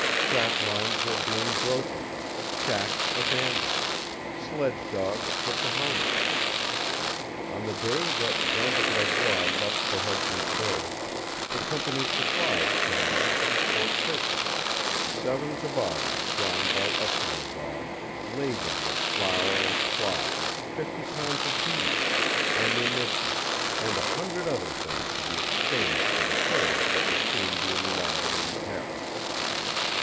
Trap lines were being broken, shacks abandoned, sledge dogs put to harness. On the day that Jean de Gravois left for Hudson's Bay, the company's supplies came in from Fort Churchill seven toboggans drawn by Eskimo dogs, laden with flour and cloth; fifty pounds of beads, ammunition, and a hundred other things to be exchanged for the furs that would soon be in London and Paris.